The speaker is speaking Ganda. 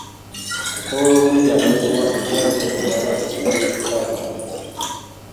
Osobola okujjanjabibwa endwadde endala ez’ekikaba.